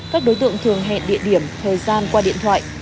các đối tượng thường hẹn địa điểm thời gian qua điện thoại